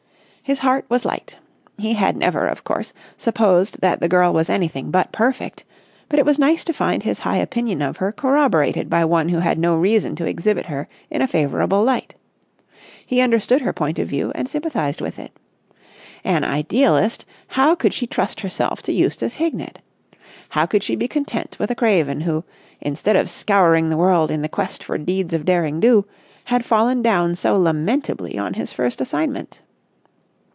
His heart was light. He had never, of course, supposed that the girl was anything but perfect; but it was nice to find his high opinion of her corroborated by one who had no reason to exhibit her in a favourable light. He understood her point of view and sympathised with it. An idealist, how could she trust herself to Eustace Hignett? How could she be content with a craven who, instead of scouring the world in the quest for deeds of derring do, had fallen down so lamentably on his first assignment?